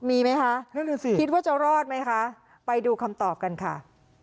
มีไหมคะนั่นแหละสิคิดว่าจะรอดไหมคะไปดูคำตอบกันค่ะ